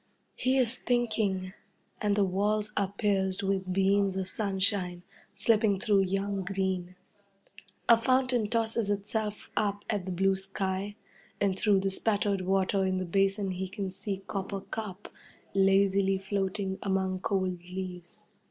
He is thinking, and the walls are pierced with beams of sunshine, slipping through young green. A fountain tosses itself up at the blue sky, and through the spattered water in the basin he can see copper carp, lazily floating among cold leaves.